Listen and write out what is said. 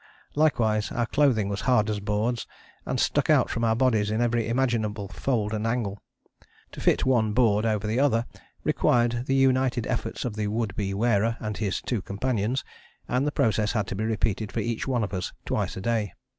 Likewise our clothing was hard as boards and stuck out from our bodies in every imaginable fold and angle. To fit one board over the other required the united efforts of the would be wearer and his two companions, and the process had to be repeated for each one of us twice a day.